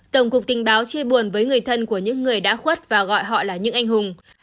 tổng cục tình báo chia buồn với người thân của những người đã khuất và gọi họ là những anh hùng